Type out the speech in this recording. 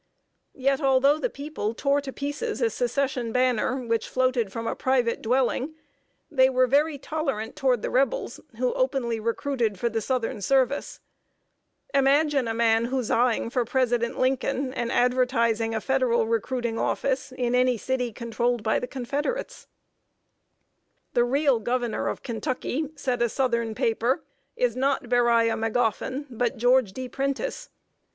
Yet, although the people tore to pieces a Secession banner, which floated from a private dwelling, they were very tolerant toward the Rebels, who openly recruited for the Southern service. Imagine a man huzzaing for President Lincoln and advertising a Federal recruiting office in any city controlled by the Confederates! [Sidenote: PRENTICE OF THE LOUISVILLE JOURNAL.] "The real governor of Kentucky," said a southern paper, "is not Beriah Magoffin, but George D. Prentice."